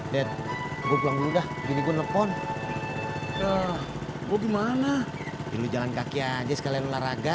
detik detik udah gini gue nelfon oh gimana ini jangan kaki aja sekalian olahraga